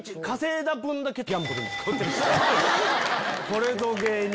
これぞ芸人！